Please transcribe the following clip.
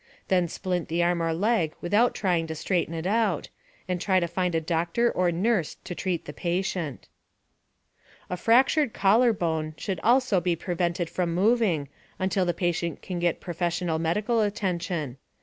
Then splint the arm or leg without trying to straighten it out, and try to find a doctor or nurse to treat the patient. A FRACTURED COLLAR BONE should also be prevented from moving, until the patient can get professional medical attention.